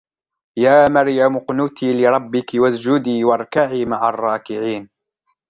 يا مريم اقنتي لربك واسجدي واركعي مع الراكعين